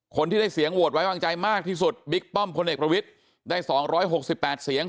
คนที่ได้เสียงโหวตไว้วางใจมากที่สุดบิ๊กป้อมพลเอกประวิทย์ได้๒๖๘เสียง